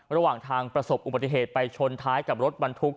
ระหว่างทางประสบอุบัติเหตุไปชนท้ายกับรถบรรทุก